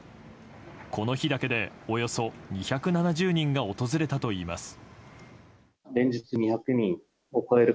この日だけで、およそ２７０人が訪れたといいます。